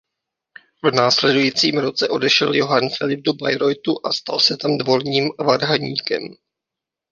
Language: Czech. V následujícím roce odešel Johann Philipp do Bayreuthu a stal se tam dvorním varhaníkem.